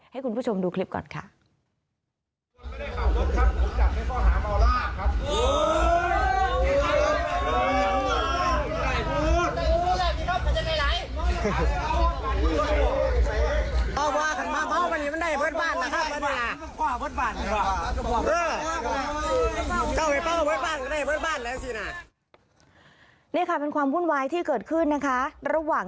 ให้คุณผู้ชมดูคลิปก่อนค่ะ